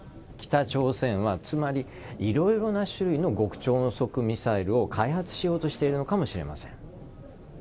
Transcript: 北朝鮮は色々な種類の極超音速ミサイルを開発しようとしているのかもしれません。